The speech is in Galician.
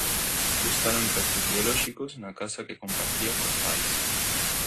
Buscaron restos biolóxicos na casa que compartía cos pais.